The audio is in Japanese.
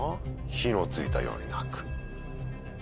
「火のついたように泣く」。